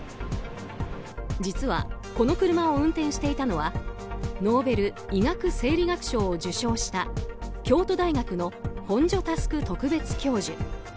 実はこの車を運転していたのはノーベル医学・生理学賞を受賞した京都大学の本庶佑特別教授。